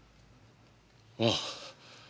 ああ。